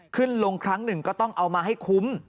ขึ้นลงครั้งหนึ่งก็ต้องเอามาให้คุ้ม